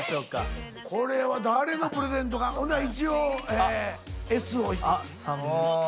これは誰のプレゼントがほな一応「Ｓ」を。